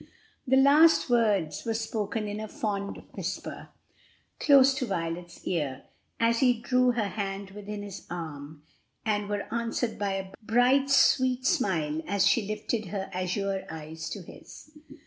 The last words were spoken in a fond whisper, close to Violet's ear, as he drew her hand within his arm, and were answered by a bright, sweet smile as she lifted her azure eyes to his.